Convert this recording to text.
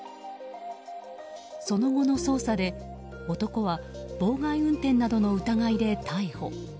その後の捜査で男は妨害運転などの疑いで逮捕。